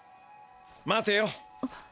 待てよ！